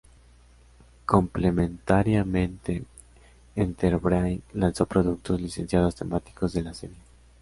Complementariamente, Enterbrain lanzó productos licenciados temáticos de la serie.